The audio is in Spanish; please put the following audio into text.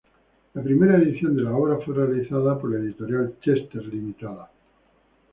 La primera edición de la obra fue realizada por la editorial Chester Ltd.